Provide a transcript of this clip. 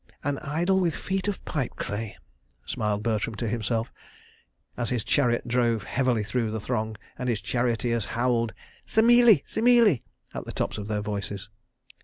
"An idol with feet of pipe clay," smiled Bertram to himself, as his chariot drove heavily through the throng, and his charioteers howled "Semeele! Semeele!" at the tops of their voices.